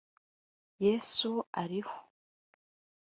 Yesu Ariho